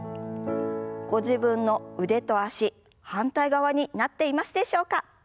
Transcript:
ご自分の腕と脚反対側になっていますでしょうか？